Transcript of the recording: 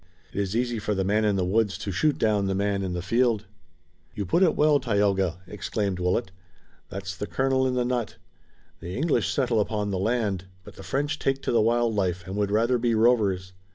It is easy for the man in the woods to shoot down the man in the field." "You put it well, Tayoga," exclaimed Willet. "That's the kernel in the nut. The English settle upon the land, but the French take to the wild life and would rather be rovers.